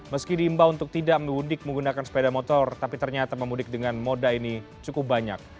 meski diimbau untuk tidak mudik menggunakan sepeda motor tapi ternyata pemudik dengan moda ini cukup banyak